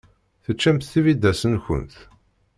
Teččamt tibidas-nkent?